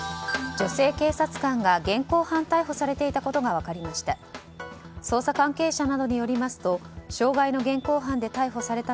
女性警察官が現行犯逮捕されていたことが分かりました。